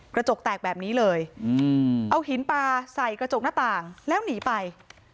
กระจกแตกแบบนี้เลยเอาหินปลาใส่กระจกหน้าต่างแล้วหนีไป